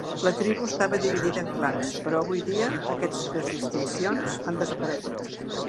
La tribu estava dividida en clans, però avui dia aquestes distincions han desaparegut.